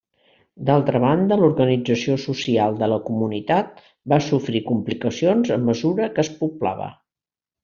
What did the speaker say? D'altra banda, l'organització social de la comunitat va sofrir complicacions a mesura que es poblava.